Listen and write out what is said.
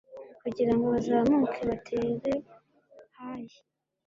kugira ngo bazamuke batere hayi